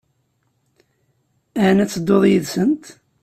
Ɛni ad tedduḍ yid-sent?